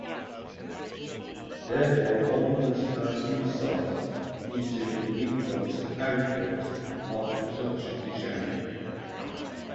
Therefore one must have insight into the inputs and outputs of the production chain.